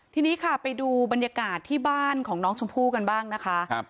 ทีนี้ค่ะไปดูบรรยากาศที่บ้านของน้องชมพู่กันบ้างนะคะ